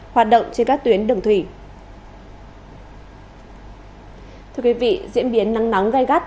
thưa quý vị diễn biến nắng nóng gai gắt